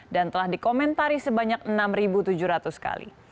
dan telah dikomentari sebanyak enam tujuh ratus kali